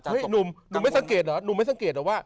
หนุ่มไม่สังเกตเหรอหนุ่มไม่สังเกตเหรอว่า